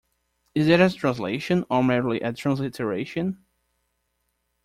Is that a translation, or merely a transliteration?